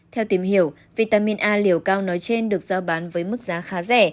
theo tìm hiểu vitamin a liều cao nói trên được giao bán với mức giá khá rẻ